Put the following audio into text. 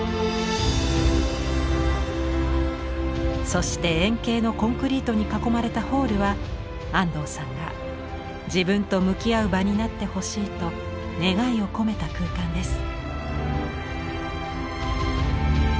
そして円形のコンクリートに囲まれたホールは安藤さんが「自分と向き合う場になってほしい」と願いを込めた空間です。